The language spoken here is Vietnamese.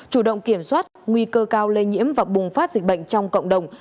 chủ động kiểm soát nguy cơ cao lây nhiễm và bùng phát dịch bệnh trong cộng đồng